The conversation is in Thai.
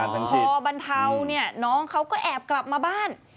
พอบรรเทาเนี่ยน้องเขาก็แอบกลับมาบ้าน